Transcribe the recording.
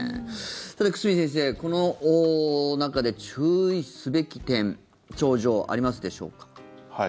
さて、久住先生この中で注意すべき点症状ありますでしょうか。